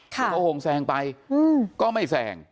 ค่ะโรงแสงไปอืมก็ไม่แสง